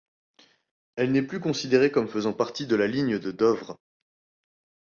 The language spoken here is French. Elle n'est plus considérée comme faisant partie de la ligne de Dovre.